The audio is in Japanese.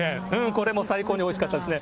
これも最高においしかったですね。